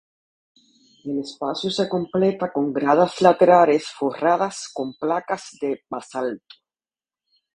El espacio se completa con gradas laterales forradas con placas de basalto.